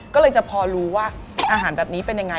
ก็เลยจะพอรู้ว่าอาหารแบบนี้เป็นยังไง